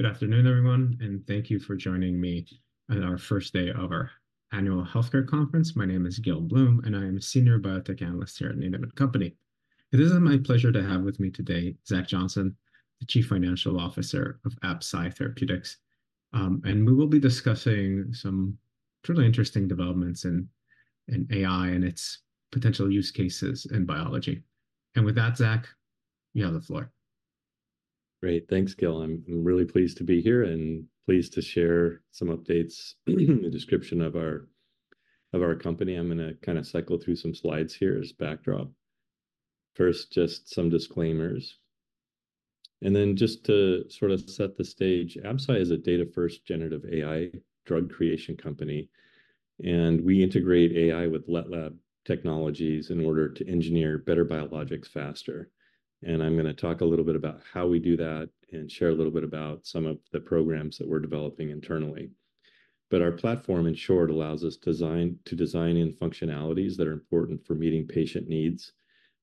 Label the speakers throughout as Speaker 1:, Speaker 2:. Speaker 1: Good afternoon, everyone, and thank you for joining me on our first day of our annual healthcare conference. My name is Gil Blum, and I am a senior biotech analyst here at Needham & Company. It is my pleasure to have with me today Zach Jonasson, the Chief Financial Officer of Absci Corporation. And we will be discussing some truly interesting developments in AI and its potential use cases in biology. With that, Zach, you have the floor.
Speaker 2: Great. Thanks, Gil. I'm really pleased to be here and pleased to share some updates, a description of our company. I'm gonna kind of cycle through some slides here as backdrop. First, just some disclaimers. Then just to sort of set the stage, Absci is a data-first generative AI drug creation company, and we integrate AI with wet lab technologies in order to engineer better biologics faster. I'm gonna talk a little bit about how we do that and share a little bit about some of the programs that we're developing internally. But our platform, in short, allows us to design in functionalities that are important for meeting patient needs,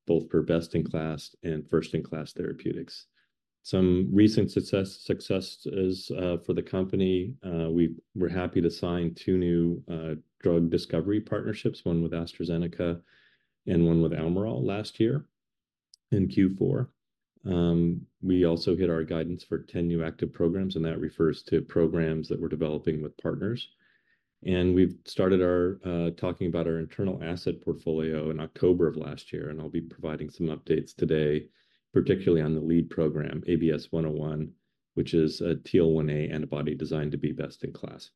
Speaker 2: both for best-in-class and first-in-class therapeutics. Some recent success, successes, for the company, we were happy to sign two new, drug discovery partnerships, one with AstraZeneca and one with Almirall last year in Q4. We also hit our guidance for 10 new active programs, and that refers to programs that we're developing with partners. We've started talking about our internal asset portfolio in October of last year, and I'll be providing some updates today, particularly on the lead program, ABS-101, which is a TL1A antibody designed to be best in class.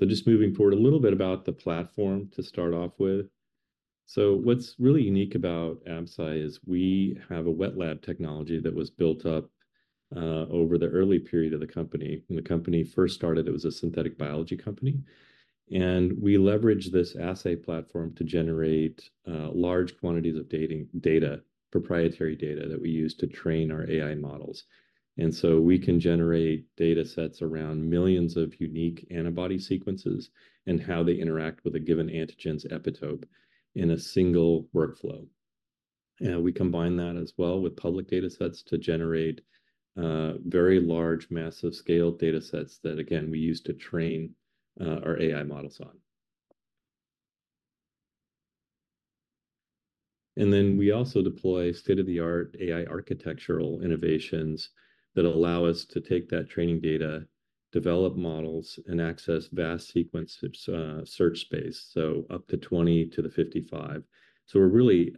Speaker 2: Just moving forward, a little bit about the platform to start off with. What's really unique about Absci is we have a wet lab technology that was built up over the early period of the company. When the company first started, it was a synthetic biology company, and we leveraged this assay platform to generate large quantities of binding data, proprietary data that we use to train our AI models. We can generate datasets around millions of unique antibody sequences and how they interact with a given antigen's epitope in a single workflow. We combine that as well with public datasets to generate very large, massive-scale datasets that, again, we use to train our AI models on. Then we also deploy state-of-the-art AI architectural innovations that allow us to take that training data, develop models, and access vast sequence search space, so up to 20 to 55. So we're really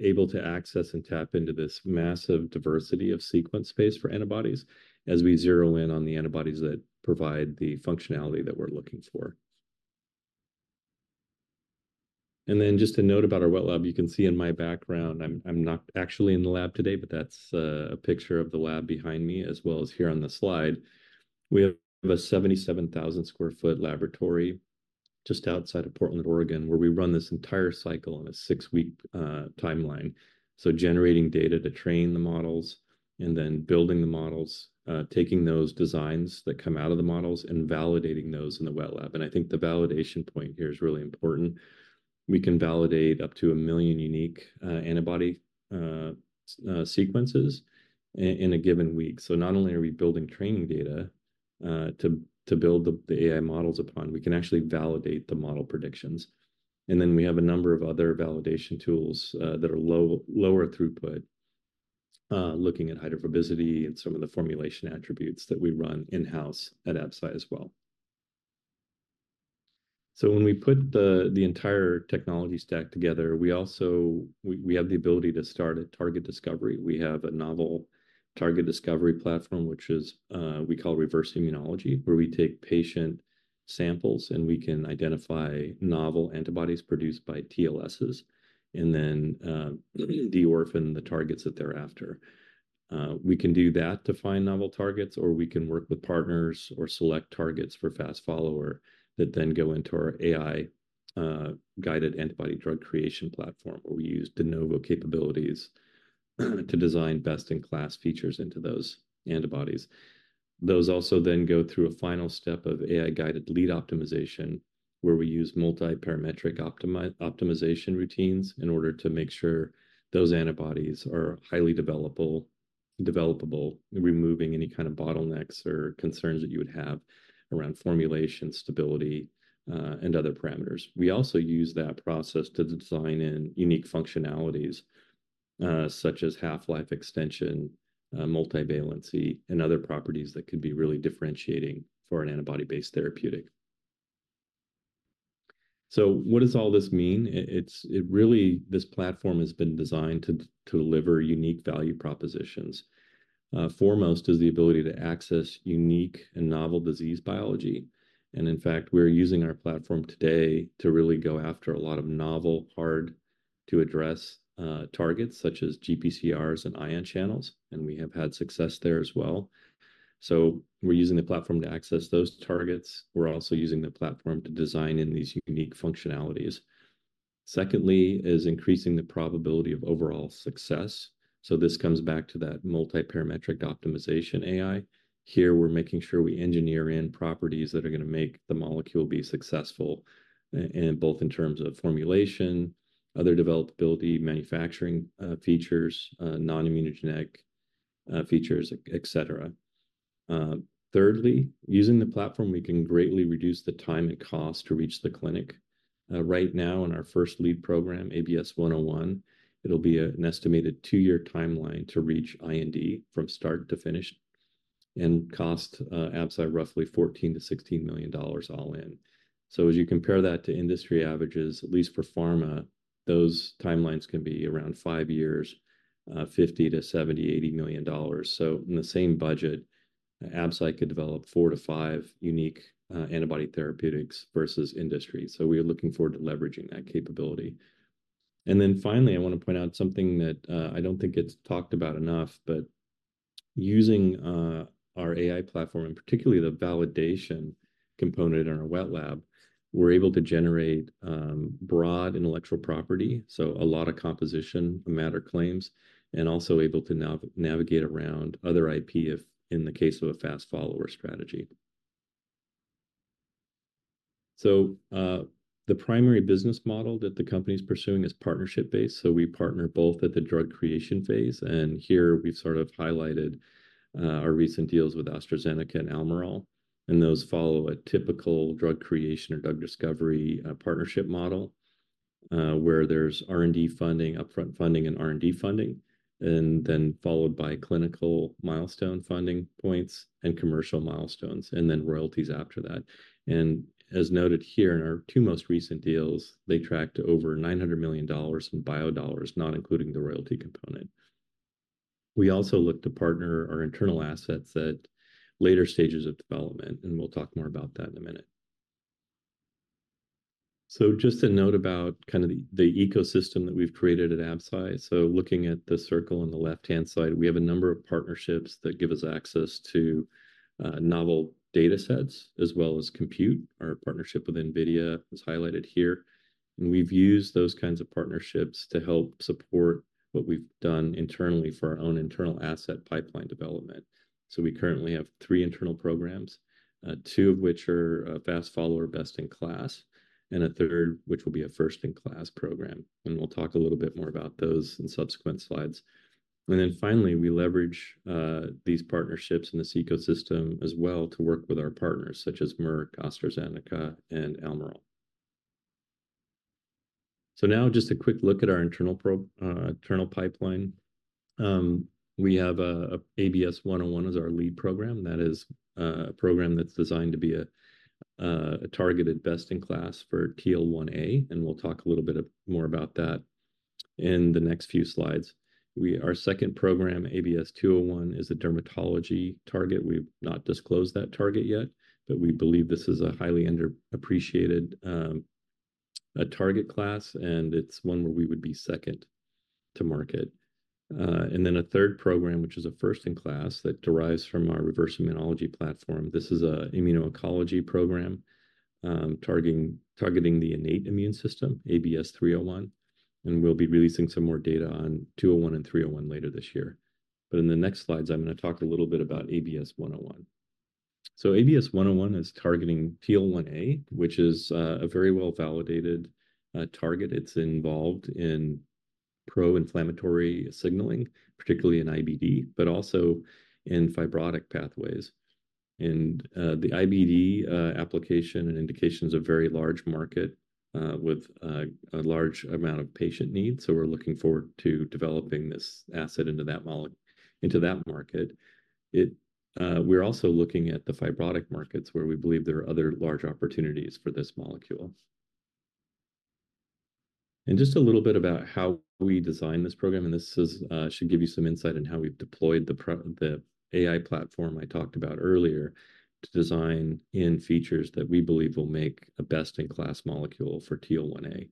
Speaker 2: able to access and tap into this massive diversity of sequence space for antibodies as we zero in on the antibodies that provide the functionality that we're looking for. And then just a note about our wet lab. You can see in my background, I'm not actually in the lab today, but that's a picture of the lab behind me, as well as here on the slide. We have a 77,000 sq ft laboratory just outside of Portland, Oregon, where we run this entire cycle on a 6-week timeline. So generating data to train the models and then building the models, taking those designs that come out of the models and validating those in the wet lab. And I think the validation point here is really important. We can validate up to 1 million unique antibody sequences in a given week. So not only are we building training data to build the AI models upon, we can actually validate the model predictions. And then we have a number of other validation tools that are lower throughput looking at hydrophobicity and some of the formulation attributes that we run in-house at Absci as well. So when we put the entire technology stack together, we also have the ability to start at target discovery. We have a novel target discovery platform, which we call reverse immunology, where we take patient samples, and we can identify novel antibodies produced by TLSs and then de-orphan the targets that they're after. We can do that to find novel targets, or we can work with partners or select targets for fast follower that then go into our AI guided antibody drug creation platform, where we use de novo capabilities, to design best-in-class features into those antibodies. Those also then go through a final step of AI-guided lead optimization, where we use multiparametric optimization routines in order to make sure those antibodies are highly developable, removing any kind of bottlenecks or concerns that you would have around formulation, stability, and other parameters. We also use that process to design in unique functionalities, such as half-life extension, multivalency, and other properties that could be really differentiating for an antibody-based therapeutic. So what does all this mean? It's, it really, this platform has been designed to deliver unique value propositions. Foremost is the ability to access unique and novel disease biology, and in fact, we're using our platform today to really go after a lot of novel, hard-to-address targets, such as GPCRs and ion channels, and we have had success there as well. So we're using the platform to access those targets. We're also using the platform to design in these unique functionalities. Secondly is increasing the probability of overall success. So this comes back to that multiparametric optimization AI. Here, we're making sure we engineer in properties that are gonna make the molecule be successful in both in terms of formulation, other developability, manufacturing features, non-immunogenic features, et cetera. Thirdly, using the platform, we can greatly reduce the time and cost to reach the clinic. Right now, in our first lead program, ABS-101, it'll be an estimated two-year timeline to reach IND from start to finish, and cost Absci roughly $14 million-$16 million all in. So as you compare that to industry averages, at least for pharma, those timelines can be around five years, $50 million-$80 million. So in the same budget, Absci could develop 4-5 unique antibody therapeutics versus industry. So we are looking forward to leveraging that capability. Then finally, I want to point out something that, I don't think gets talked about enough, but using our AI platform, and particularly the validation component in our wet lab, we're able to generate broad intellectual property, so a lot of composition of matter claims, and also able to navigate around other IP if in the case of a fast follower strategy. The primary business model that the company's pursuing is partnership-based, so we partner both at the drug creation phase, and here we've sort of highlighted our recent deals with AstraZeneca and Almirall. Those follow a typical drug creation or drug discovery partnership model, where there's R&D funding, upfront funding, and R&D funding, and then followed by clinical milestone funding points and commercial milestones, and then royalties after that. As noted here in our two most recent deals, they tracked over $900 million in bio dollars, not including the royalty component. We also look to partner our internal assets at later stages of development, and we'll talk more about that in a minute. Just a note about kind of the ecosystem that we've created at Absci. Looking at the circle on the left-hand side, we have a number of partnerships that give us access to novel data sets, as well as compute. Our partnership with NVIDIA is highlighted here, and we've used those kinds of partnerships to help support what we've done internally for our own internal asset pipeline development. We currently have three internal programs, two of which are fast follower best-in-class, and a third, which will be a first-in-class program. We'll talk a little bit more about those in subsequent slides. Then finally, we leverage these partnerships in this ecosystem as well to work with our partners, such as Merck, AstraZeneca, and Almirall. So now just a quick look at our internal pipeline. We have ABS-101 is our lead program. That is a program that's designed to be a targeted best-in-class for TL1A, and we'll talk a little bit more about that in the next few slides. Our second program, ABS-201, is a dermatology target. We've not disclosed that target yet, but we believe this is a highly underappreciated target class, and it's one where we would be second to market. And then a third program, which is a first-in-class that derives from our reverse immunology platform. This is a immuno-oncology program, targeting the innate immune system, ABS-301, and we'll be releasing some more data on 201 and 301 later this year. But in the next slides, I'm gonna talk a little bit about ABS-101. So ABS-101 is targeting TL1A, which is a very well-validated target. It's involved in pro-inflammatory signaling, particularly in IBD, but also in fibrotic pathways. And the IBD application and indication's a very large market with a large amount of patient need, so we're looking forward to developing this asset into that market. We're also looking at the fibrotic markets, where we believe there are other large opportunities for this molecule. And just a little bit about how we designed this program, and this is should give you some insight on how we've deployed the the AI platform I talked about earlier to design in features that we believe will make a best-in-class molecule for TL1A.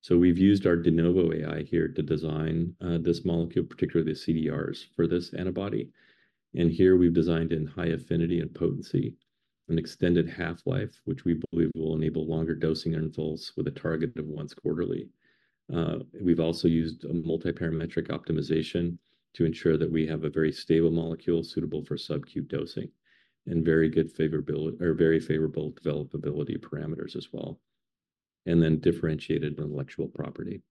Speaker 2: So we've used our de novo AI here to design this molecule, particularly the CDRs for this antibody. And here we've designed in high affinity and potency, an extended half-life, which we believe will enable longer dosing intervals with a target of once quarterly. We've also used a multiparametric optimization to ensure that we have a very stable molecule suitable for sub-Q dosing and very good favorability or very favorable developability parameters as well, and then differentiated intellectual property.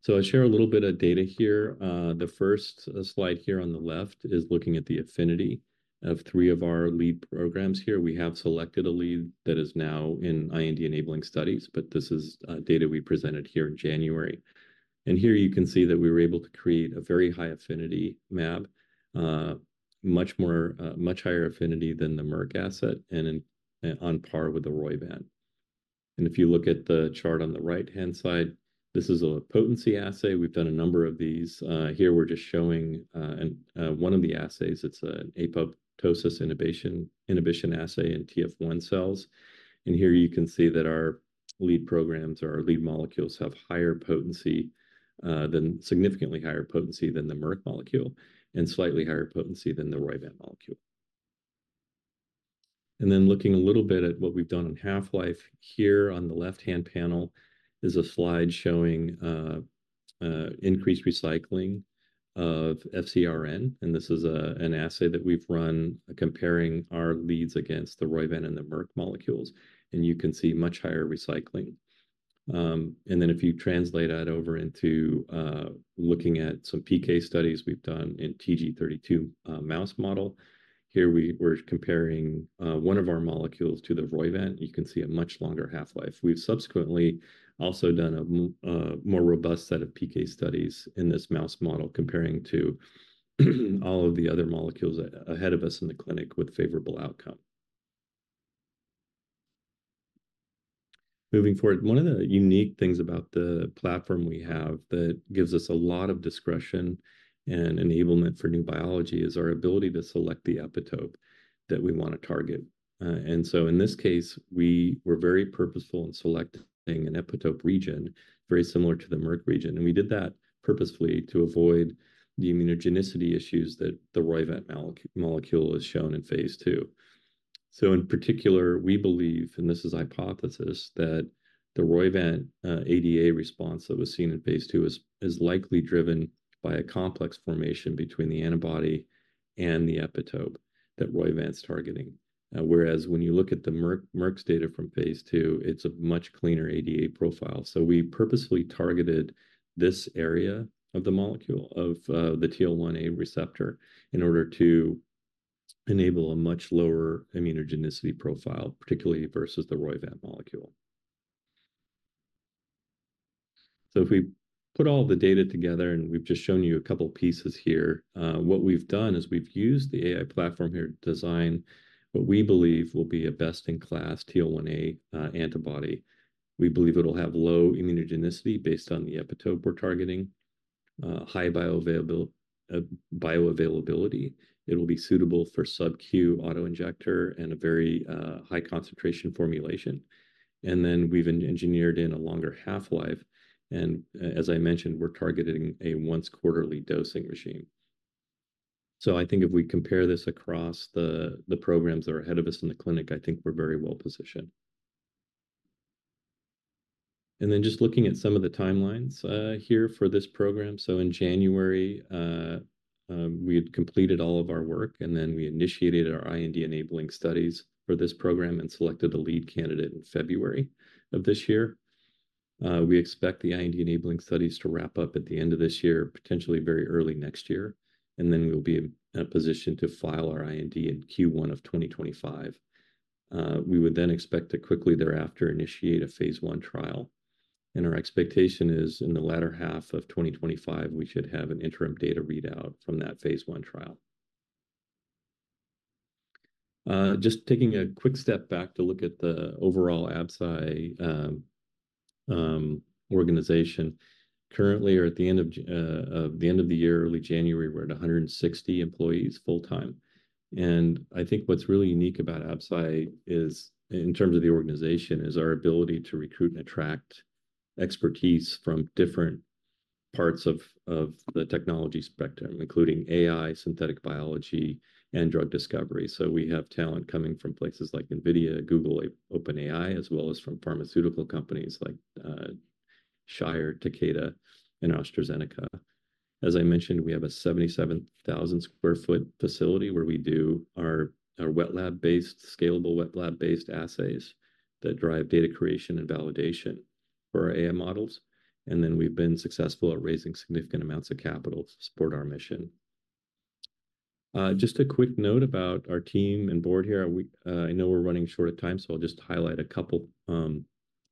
Speaker 2: So I'll share a little bit of data here. The first slide here on the left is looking at the affinity of three of our lead programs here. We have selected a lead that is now in IND-enabling studies, but this is data we presented here in January. Here you can see that we were able to create a very high-affinity mAb, much more, much higher affinity than the Merck asset, and on par with the Roivant. If you look at the chart on the right-hand side, this is a potency assay. We've done a number of these. Here we're just showing one of the assays. It's an apoptosis inhibition assay in TF1 cells. Here you can see that our lead programs or our lead molecules have higher potency, significantly higher potency than the Merck molecule and slightly higher potency than the Roivant molecule. Then looking a little bit at what we've done on half-life, here on the left-hand panel is a slide showing increased recycling of FcRn, and this is an assay that we've run comparing our leads against the Roivant and the Merck molecules, and you can see much higher recycling. Then if you translate that over into looking at some PK studies we've done in Tg32 mouse model, here we're comparing one of our molecules to the Roivant, and you can see a much longer half-life. We've subsequently also done a more robust set of PK studies in this mouse model, comparing to all of the other molecules ahead of us in the clinic with favorable outcome. Moving forward, one of the unique things about the platform we have that gives us a lot of discretion and enablement for new biology is our ability to select the epitope that we want to target. And so in this case, we were very purposeful in selecting an epitope region very similar to the Merck region, and we did that purposefully to avoid the immunogenicity issues that the Roivant molecule has shown in phase II. So in particular, we believe, and this is hypothesis, that the Roivant ADA response that was seen in phase II is likely driven by a complex formation between the antibody and the epitope that Roivant's targeting. Whereas when you look at the Merck-Merck's data from phase II, it's a much cleaner ADA profile. So we purposefully targeted this area of the molecule, of, the TL1A receptor, in order to enable a much lower immunogenicity profile, particularly versus the Roivant molecule. So if we put all the data together, and we've just shown you a couple pieces here, what we've done is we've used the AI platform here to design what we believe will be a best-in-class TL1A antibody. We believe it'll have low immunogenicity based on the epitope we're targeting, high bioavailability. It'll be suitable for sub-Q auto-injector and a very high concentration formulation. And then we've engineered in a longer half-life, and as I mentioned, we're targeting a once quarterly dosing regime. I think if we compare this across the programs that are ahead of us in the clinic, I think we're very well-positioned. Then just looking at some of the timelines here for this program, so in January we had completed all of our work, and then we initiated our IND-enabling studies for this program and selected a lead candidate in February of this year. We expect the IND-enabling studies to wrap up at the end of this year, potentially very early next year, and then we'll be in a position to file our IND in Q1 of 2025. We would then expect to quickly thereafter initiate a phase I trial, and our expectation is, in the latter half of 2025, we should have an interim data readout from that phase I trial. Just taking a quick step back to look at the overall Absci organization. Currently, or at the end of the year, early January, we're at 160 employees full-time. I think what's really unique about Absci is, in terms of the organization, is our ability to recruit and attract expertise from different parts of the technology spectrum, including AI, synthetic biology, and drug discovery. We have talent coming from places like NVIDIA, Google, OpenAI, as well as from pharmaceutical companies like Shire, Takeda, and AstraZeneca. As I mentioned, we have a 77,000 sq ft facility where we do our wet lab-based, scalable wet lab-based assays that drive data creation and validation for our AI models, and then we've been successful at raising significant amounts of capital to support our mission. Just a quick note about our team and board here. We, I know we're running short on time, so I'll just highlight a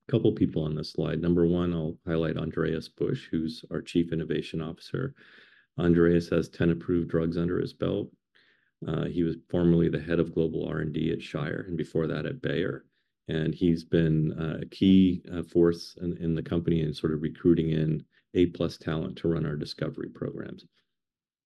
Speaker 2: couple people on this slide. Number one, I'll highlight Andreas Busch, who's our Chief Innovation Officer. Andreas has 10 approved drugs under his belt. He was formerly the Head of Global R&D at Shire, and before that at Bayer, and he's been a key force in the company in sort of recruiting A-plus talent to run our discovery programs.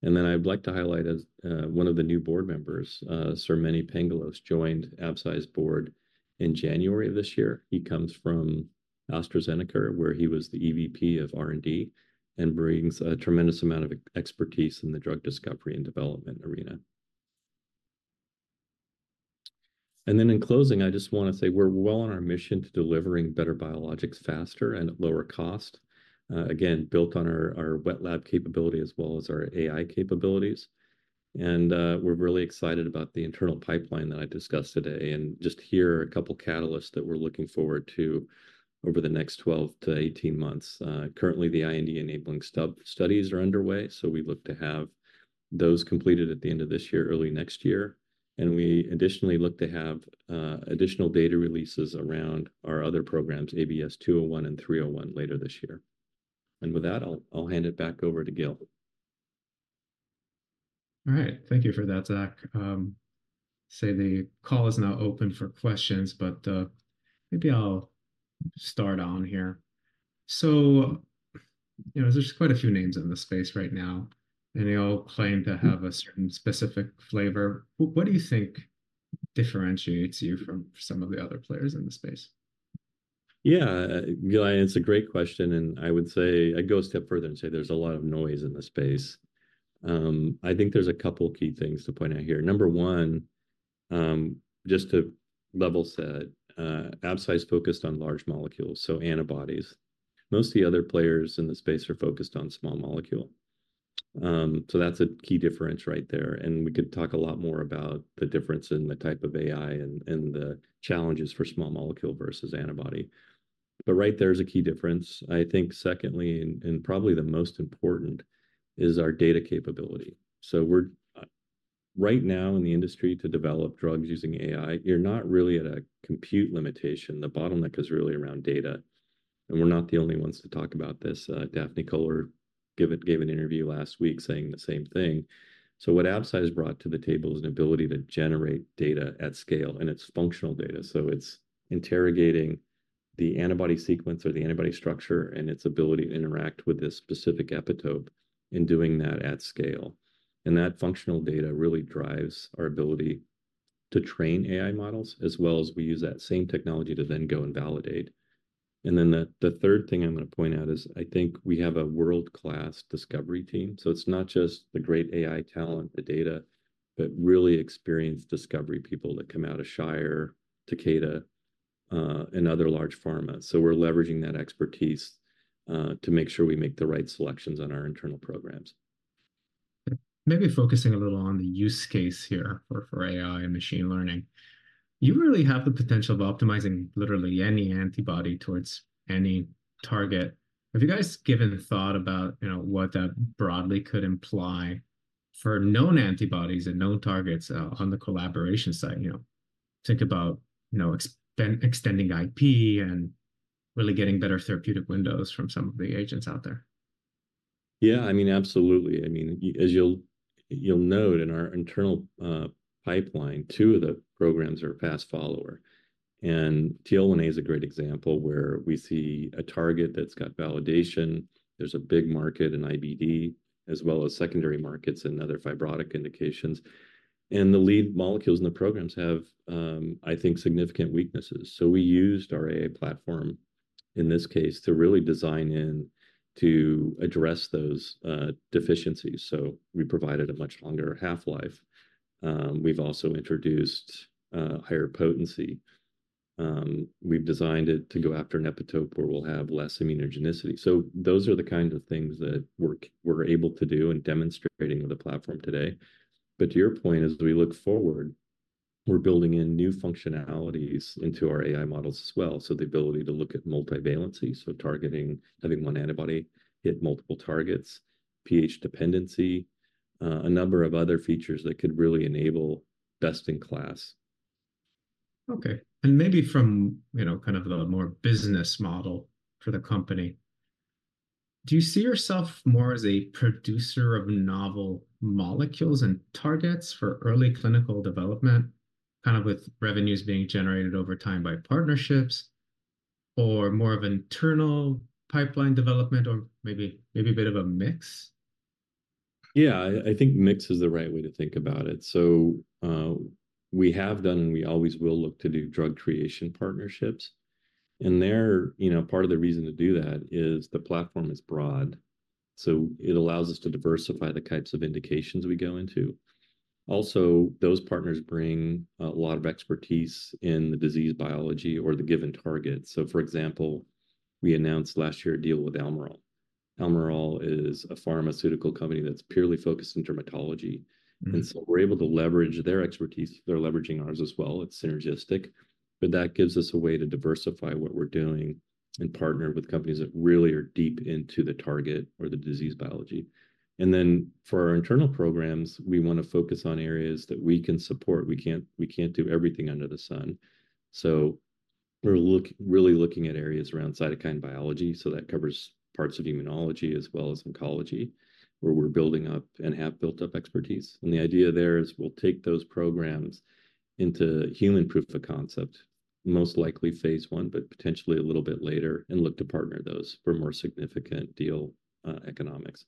Speaker 2: And then I'd like to highlight, as one of the new board members, Sir Mene Pangalos joined Absci's board in January of this year. He comes from AstraZeneca, where he was the EVP of R&D, and brings a tremendous amount of expertise in the drug discovery and development arena. In closing, I just want to say we're well on our mission to delivering better biologics faster and at lower cost, again, built on our wet lab capability as well as our AI capabilities. We're really excited about the internal pipeline that I discussed today. Just here are a couple catalysts that we're looking forward to over the next 12-18 months. Currently, the IND-enabling studies are underway, so we look to have those completed at the end of this year, early next year. We additionally look to have additional data releases around our other programs, ABS-201 and ABS-301, later this year. With that, I'll hand it back over to Gil.
Speaker 1: All right. Thank you for that, Zach. So the call is now open for questions, but maybe I'll start on here. So, you know, there's quite a few names in the space right now, and they all claim to have a certain specific flavor. What do you think differentiates you from some of the other players in the space?
Speaker 2: Yeah, Gil, it's a great question, and I would say... I'd go a step further and say there's a lot of noise in the space. I think there's a couple key things to point out here. Number one- just to level set, Absci's focused on large molecules, so antibodies. Most of the other players in the space are focused on small molecule. So that's a key difference right there, and we could talk a lot more about the difference in the type of AI and, and the challenges for small molecule versus antibody. But right there is a key difference. I think secondly, and, and probably the most important, is our data capability. So we're right now in the industry to develop drugs using AI, you're not really at a compute limitation. The bottleneck is really around data, and we're not the only ones to talk about this. Daphne Koller gave an interview last week saying the same thing. So what Absci has brought to the table is an ability to generate data at scale, and it's functional data. So it's interrogating the antibody sequence or the antibody structure and its ability to interact with this specific epitope in doing that at scale. And that functional data really drives our ability to train AI models, as well as we use that same technology to then go and validate. And then the third thing I'm gonna point out is I think we have a world-class discovery team. So it's not just the great AI talent, the data, but really experienced discovery people that come out of Shire, Takeda, and other large pharma. So we're leveraging that expertise to make sure we make the right selections on our internal programs.
Speaker 1: Maybe focusing a little on the use case here for, for AI and machine learning. You really have the potential of optimizing literally any antibody towards any target. Have you guys given thought about, you know, what that broadly could imply for known antibodies and known targets, on the collaboration side? You know, think about, you know, extending IP and really getting better therapeutic windows from some of the agents out there.
Speaker 2: Yeah, I mean, absolutely. I mean, as you'll note in our internal pipeline, two of the programs are past FIH. And TL1A is a great example where we see a target that's got validation. There's a big market in IBD, as well as secondary markets and other fibrotic indications. And the lead molecules in the programs have, I think, significant weaknesses. So we used our AI platform, in this case, to really design in to address those deficiencies, so we provided a much longer half-life. We've also introduced higher potency. We've designed it to go after an epitope where we'll have less immunogenicity. So those are the kinds of things that we're able to do and demonstrating with the platform today. But to your point, as we look forward, we're building in new functionalities into our AI models as well. So the ability to look at multivalency, so targeting, having one antibody hit multiple targets, pH dependency, a number of other features that could really enable best-in-class.
Speaker 1: Okay. Maybe from, you know, kind of the more business model for the company, do you see yourself more as a producer of novel molecules and targets for early clinical development, kind of with revenues being generated over time by partnerships, or more of internal pipeline development, or maybe, maybe a bit of a mix?
Speaker 2: Yeah, I think mix is the right way to think about it. So, we have done and we always will look to do drug creation partnerships. And there, you know, part of the reason to do that is the platform is broad, so it allows us to diversify the types of indications we go into. Also, those partners bring a lot of expertise in the disease biology or the given target. So for example, we announced last year a deal with Almirall. Almirall is a pharmaceutical company that's purely focused in dermatology.
Speaker 1: Mm.
Speaker 2: We're able to leverage their expertise. They're leveraging ours as well. It's synergistic, but that gives us a way to diversify what we're doing and partner with companies that really are deep into the target or the disease biology. For our internal programs, we want to focus on areas that we can support. We can't, we can't do everything under the sun. So we're really looking at areas around cytokine biology, so that covers parts of immunology as well as oncology, where we're building up and have built up expertise. The idea there is we'll take those programs into human proof of concept, most likely phase I, but potentially a little bit later, and look to partner those for more significant deal economics.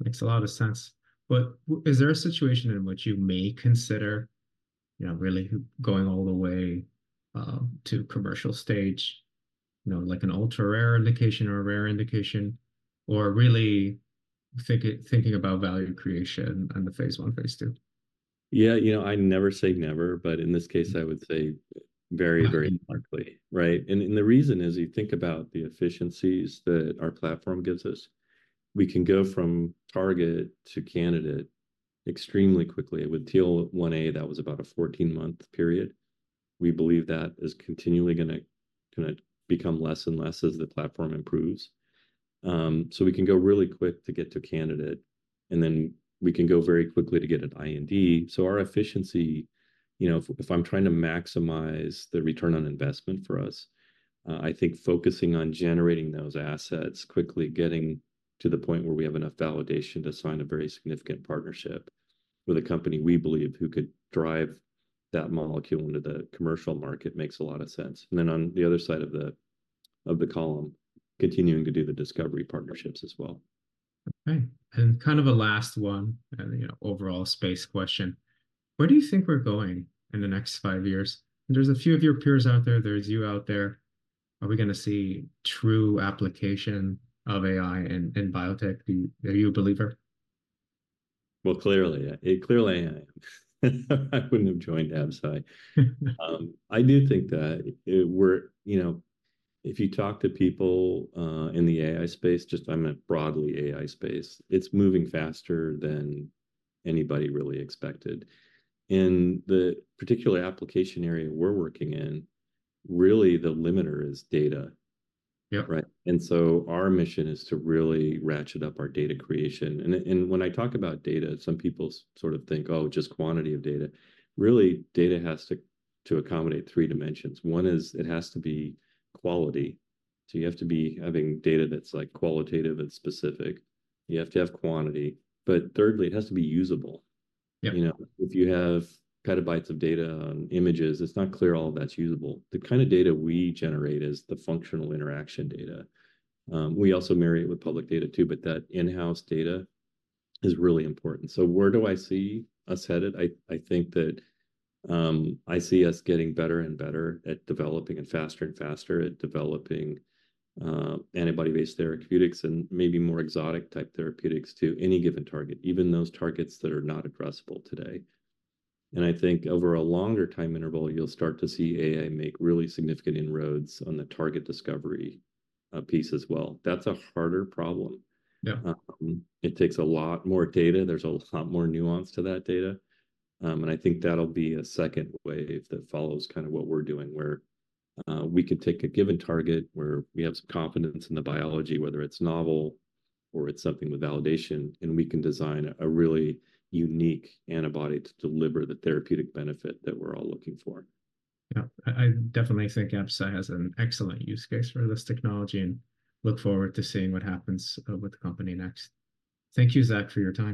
Speaker 1: Makes a lot of sense. But is there a situation in which you may consider, you know, really going all the way, to commercial stage, you know, like an ultra-rare indication or a rare indication, or really thinking about value creation on the phase I, phase II?
Speaker 2: Yeah, you know, I never say never, but in this case, I would say very, very unlikely, right? And the reason is, you think about the efficiencies that our platform gives us. We can go from target to candidate extremely quickly. With TL1A, that was about a 14-month period. We believe that is continually gonna become less and less as the platform improves. So we can go really quick to get to candidate, and then we can go very quickly to get an IND. So our efficiency, you know, if I'm trying to maximize the return on investment for us, I think focusing on generating those assets, quickly getting to the point where we have enough validation to sign a very significant partnership with a company we believe who could drive that molecule into the commercial market, makes a lot of sense. And then on the other side of the column, continuing to do the discovery partnerships as well.
Speaker 1: Okay. And kind of a last one, and, you know, overall space question: Where do you think we're going in the next five years? There's a few of your peers out there, there's you out there.... Are we gonna see true application of AI in biotech? Do you, are you a believer?
Speaker 2: Well, clearly, clearly I am. I wouldn't have joined Absci. I do think that it we're, you know, if you talk to people, in the AI space, just I meant broadly AI space, it's moving faster than anybody really expected. In the particular application area we're working in, really the limiter is data.
Speaker 1: Yeah.
Speaker 2: Right? And so our mission is to really ratchet up our data creation. And when I talk about data, some people sort of think, "Oh, just quantity of data." Really, data has to accommodate three dimensions. One is it has to be quality, so you have to be having data that's, like, qualitative and specific. You have to have quantity. But thirdly, it has to be usable.
Speaker 1: Yeah.
Speaker 2: You know, if you have petabytes of data on images, it's not clear all of that's usable. The kind of data we generate is the functional interaction data. We also marry it with public data, too, but that in-house data is really important. So where do I see us headed? I think that I see us getting better and better at developing, and faster and faster at developing, antibody-based therapeutics and maybe more exotic-type therapeutics to any given target, even those targets that are not addressable today. And I think over a longer time interval, you'll start to see AI make really significant inroads on the target discovery piece as well. That's a harder problem.
Speaker 1: Yeah.
Speaker 2: It takes a lot more data. There's a lot more nuance to that data. And I think that'll be a second wave that follows kinda what we're doing, where we can take a given target, where we have some confidence in the biology, whether it's novel or it's something with validation, and we can design a really unique antibody to deliver the therapeutic benefit that we're all looking for.
Speaker 1: Yeah. I definitely think Absci has an excellent use case for this technology, and look forward to seeing what happens with the company next. Thank you, Zach, for your time.